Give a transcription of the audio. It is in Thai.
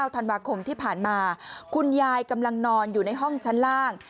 ธันวาคมที่ผ่านมาคุณยายกำลังนอนอยู่ในห้องชั้นล่าง